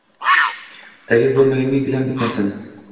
Tagi ko‘rmaganga gilam bitmasin..